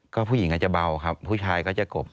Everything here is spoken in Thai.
ก็ผู้หญิงอาจจะเบาครับผู้ชายก็จะกบ